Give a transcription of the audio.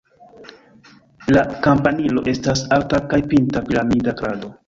La kampanilo estas alta kaj pinta piramida krado.